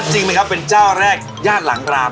แล้วจริงมั้ยครับเป็นเจ้าแรกญาติหลังราบ